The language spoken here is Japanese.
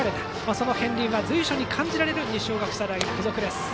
その片りんは随所に感じられる二松学舎大付属。